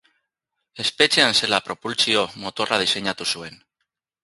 Espetxean zela propultsio-motorra diseinatu zuen.